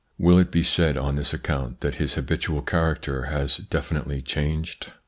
Will it be said on this account that his habitual character has definitely changed ?